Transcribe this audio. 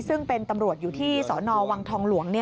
ซึ่งเป็นตำรวจอยู่ที่สนวังทองหลวง